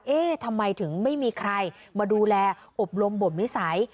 เอ๊ะทำไมถึงไม่มีใครมาดูแลอบรมบทวิสัย